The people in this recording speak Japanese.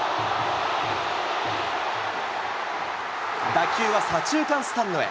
打球は左中間スタンドへ。